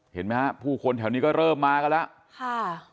เห็นไหมฮะผู้คนแถวนี้ก็เริ่มมากันแล้วค่ะ